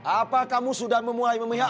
apa kamu sudah memulai memihak